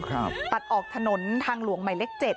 ตัดออกถนนทางหลวงใหม่เล็กเจ็ด